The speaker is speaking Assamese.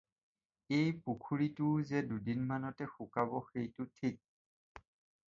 এই পুখুৰীটোও যে দুদিনমানতে শুকাব সেইটো ঠিক।